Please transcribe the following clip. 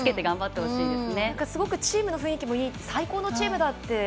すごくチームの雰囲気もいい最高のチームだって。